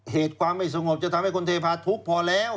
เหตุความไม่สงบจะทำให้คนเทพาทุกข์พอแล้ว